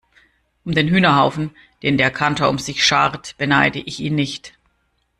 Um den Hühnerhaufen, den der Kantor um sich schart, beneide ich ihn nicht.